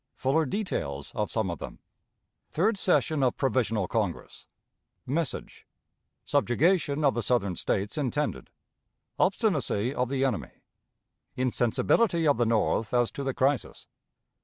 Fuller Details of some of them. Third Session of Provisional Congress. Message. Subjugation of the Southern States intended. Obstinacy of the Enemy. Insensibility of the North as to the Crisis.